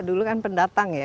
dulu kan pendatang ya